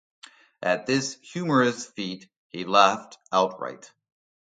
At this humorous feat he laughed outright.